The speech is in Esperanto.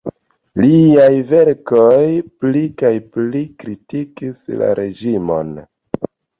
Liaj verkoj pli kaj pli kritikis la reĝimon.